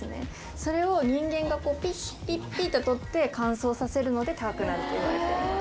それを人間がこうピッピッピッてとって乾燥させるので高くなるといわれております。